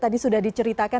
tadi sudah diceritakan